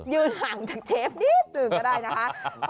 ห่างจากเชฟนิดหนึ่งก็ได้นะคะ